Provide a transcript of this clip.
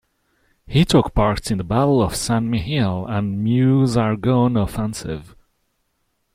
He took part in the Battle of Saint-Mihiel and Meuse-Argonne Offensive.